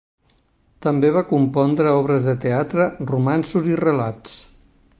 També va compondre obres de teatre, romanços i relats.